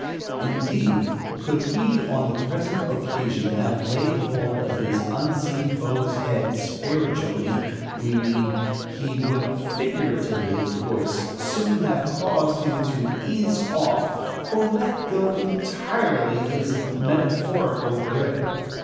Indeed, could he, on the present occasion, have laid hold of his unseen foe's head spiritually we mean he would figuratively, of course soon have caused him to ease off or let go entirely his metaphorical grip.